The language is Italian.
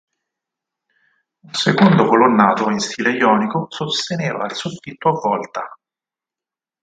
Un secondo colonnato in stile ionico sosteneva il soffitto a volta.